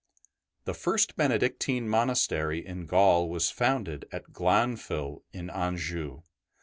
The first Benedictine monastery in Gaul was founded at Glanfeuil in Anjou.